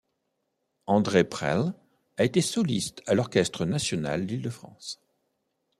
André Presle a été soliste à l'Orchestre national d'Île-de-France.